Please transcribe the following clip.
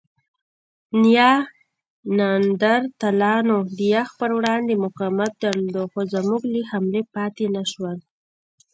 نیاندرتالانو د یخ پر وړاندې مقاومت درلود؛ خو زموږ له حملې پاتې نهشول.